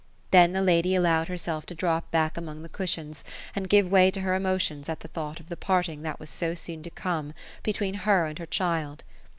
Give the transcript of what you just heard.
Then the lady allowed herself to drop back among the cushions, and give way to her emotions at the thought of the parting that was so soon to come between her and her child.